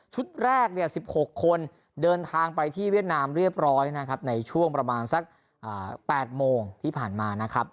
แรกเนี่ย๑๖คนเดินทางไปที่เวียดนามเรียบร้อยนะครับในช่วงประมาณสัก๘โมงที่ผ่านมานะครับ